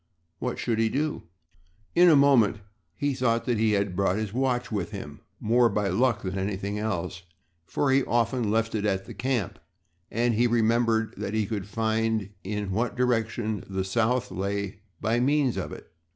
What should he do? In a moment he thought that he had brought his watch with him more by luck than anything else, for he often left it at the camp and he remembered that he could find in what direction the South lay by means of it.